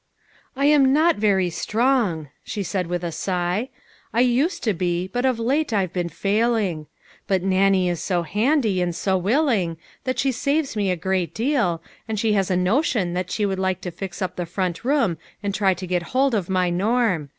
" I am not very strong," she said with a sigh. " I used to be, but of late I've been failing. But Nannie is so handy, and so willing, that she saves me a great deal, and she has a notion that she would like to fix up the front room and try to get hold of my Norm.